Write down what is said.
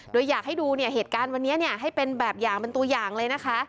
โดยอยากให้ดูเนี่ยเหตุการณ์วันนี้ให้เป็นแบบอย่างเป็นตัวอย่างเลยนะคะ